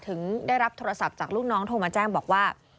ได้รับโทรศัพท์จากลูกน้องโทรมาแจ้งบอกว่า